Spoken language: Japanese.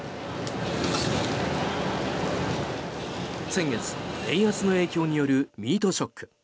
先月、円安の影響によるミートショック。